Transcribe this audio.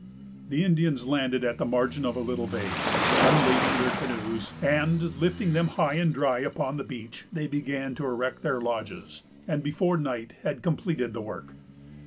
The Indians landed at the margin of a little bay. Unlading their canoes, and lifting them high and dry upon the beach, they began to erect their lodges, and before night had completed the work.